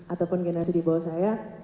ataupun generasi di bawah saya